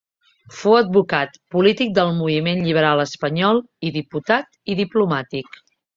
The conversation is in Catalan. Fou advocat, polític del moviment lliberal espanyol i diputat i diplomàtic.